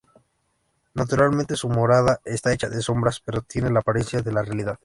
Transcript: Naturalmente su morada está hecha de sombras, pero tiene la apariencia de la realidad.